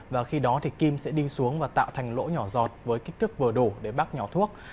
và khi đó thì kim sẽ đi xuống và tạo thành lỗ nhỏ giọt với kích thước vừa đủ để bác nhỏ thuốc